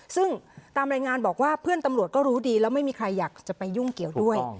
ซึ่งตามรายงานบอกว่าเพื่อนตำรวจก็รู้ดีแล้วไม่มีใครอยากจะไปยุ่งเกี่ยวด้วย